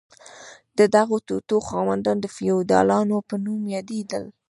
د دغو ټوټو خاوندان د فیوډالانو په نوم یادیدل.